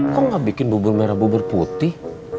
kok gak bikin bubur merah bubur putih